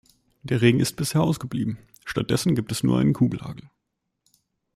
Der Regen ist bisher ausgeblieben, statt dessen gibt es nur einen Kugelhagel.